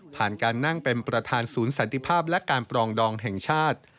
การนั่งเป็นประธานศูนย์สันติภาพและการปรองดองแห่งชาติ